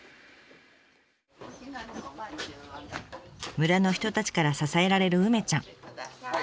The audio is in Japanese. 村の人たちから支えられる梅ちゃん。